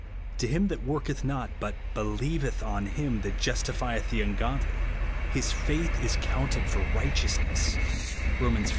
To him that worketh not, but helieveth on him that jus tifieth the ungodly, his faith is counted for righteousness/' (Rom. iv.